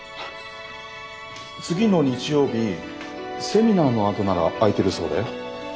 次の日曜日セミナーのあとなら空いてるそうだよ。